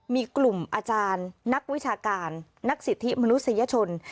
มีกลุ่มอาจารย์นักวิชาการนักสิทธิมนุษยชน